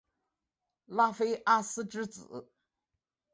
拉菲阿斯之子。